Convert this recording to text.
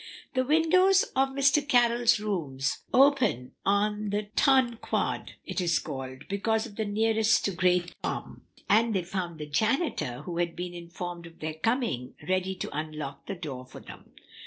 The windows of Mr. Carroll's rooms open on the "Ton Quad," as it is called, because of the nearness to Great Tom, and they found the janitor, who had been informed of their coming, ready to unlock the door for them.